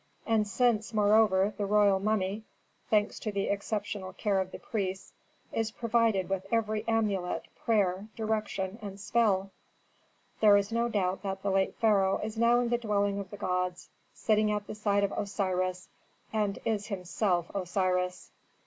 And since, moreover, the royal mummy, thanks to the exceptional care of the priests, is provided with every amulet, prayer, direction, and spell, there is no doubt that the late pharaoh is now in the dwelling of the gods, sitting at the side of Osiris, and is himself Osiris.